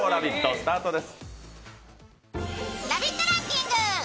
スタートです。